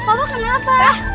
papa kenapa sih